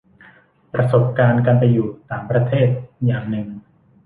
ประสบการณ์การไปอยู่ต่างประเทศอย่างหนึ่ง